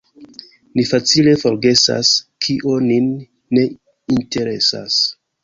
Ni facile forgesas, kio nin ne interesas.